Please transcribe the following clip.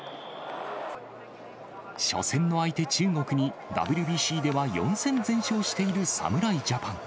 初戦の相手、中国にＷＢＣでは４戦全勝している侍ジャパン。